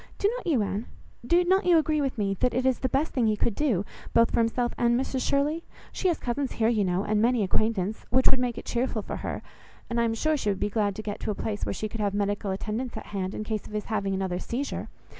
Do not you, Anne? Do not you agree with me, that it is the best thing he could do, both for himself and Mrs Shirley? She has cousins here, you know, and many acquaintance, which would make it cheerful for her, and I am sure she would be glad to get to a place where she could have medical attendance at hand, in case of his having another seizure.